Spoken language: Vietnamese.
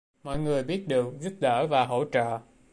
Mọi người biết được giúp đỡ và hỗ trợ